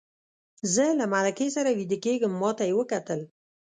زه له ملکې سره ویده کېږم، ما ته یې وکتل.